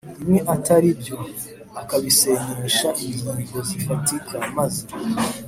rimwe atari byo, akabisenyesha ingingo zifatika maze